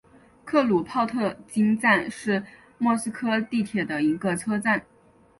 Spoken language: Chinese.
克鲁泡特金站是莫斯科地铁的一个车站。